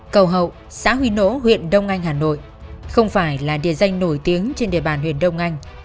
cầu hậu xã huy nỗ huyện đông anh hà nội không phải là địa danh nổi tiếng trên địa bàn huyện đông anh